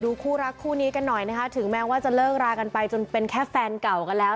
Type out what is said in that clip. คู่รักคู่นี้กันหน่อยนะคะถึงแม้ว่าจะเลิกรากันไปจนเป็นแค่แฟนเก่ากันแล้ว